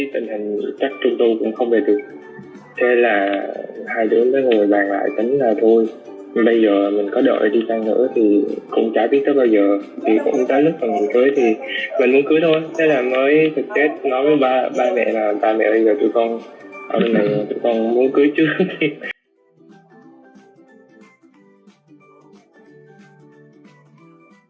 thế là mới thực chất nói với ba mẹ là ba mẹ bây giờ tụi con ở bên này tụi con muốn cưới trước